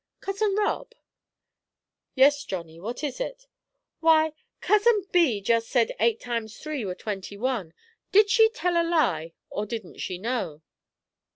"Cousin Rob?" "Yes, Johnny. What is it?" "Why, Cousin Bee just said eight times three were twenty one. Did she tell a lie, or didn't she know?"